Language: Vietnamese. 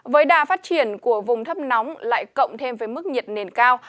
với đà phát triển của vùng thấp nóng lại cộng thêm với mức nhiệt nền cao